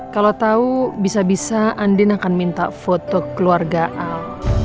kalau tahu bisa bisa andin akan minta foto keluarga al